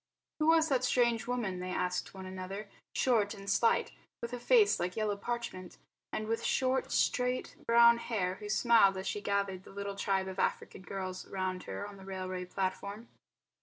Who was that strange woman (they asked one another), short and slight, with a face like yellow parchment and with short, straight brown hair, who smiled as she gathered the little tribe of African girls round her on the railway platform?